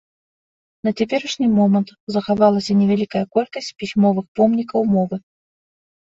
На цяперашні момант захавалася невялікая колькасць пісьмовых помнікаў мовы.